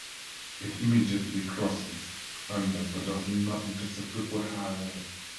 It immediately crosses under, but does not intersect Buford Highway.